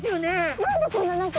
何でこんな何か。